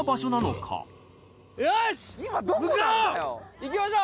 行きましょう。